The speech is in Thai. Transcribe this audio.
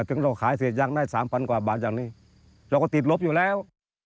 ถึงเราขายเสร็จยังได้สามพันกว่าบาทอย่างนี้เราก็ติดลบอยู่แล้ว